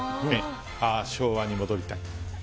ああ、昭和に戻りたい。